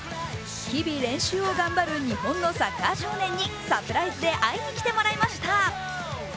日々練習を頑張る日本のサッカー少年にサプライズで会いに来てもらいました。